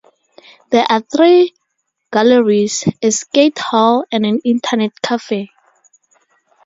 There are three galleries, a skate hall and an internet cafe.